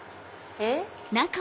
えっ？